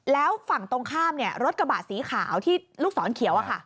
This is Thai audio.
แล้วฝั่งตรงข้ามรถกระบะสีขาวที่ลูกศรเขียว